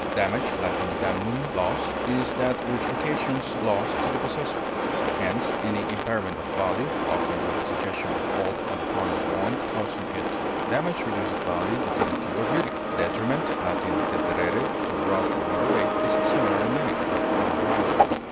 Damage (L. damnum, loss) is that which occasions loss to the possessor; hence, any impairment of value, often with the suggestion of fault on the part of the one causing it; damage reduces value, utility, or beauty; detriment (L. deterere, to rub or wear away) is similar in meaning, but far milder.